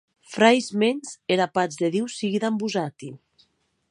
Frairs mèns, era patz de Diu sigue damb vosati.